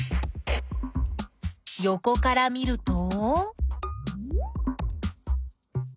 よこから見ると？